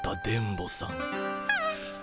はあ。